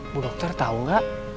bu dokter tau gak